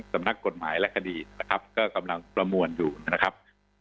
สำนักกฎหมายและคดีนะครับก็กำลังประมวลอยู่นะครับ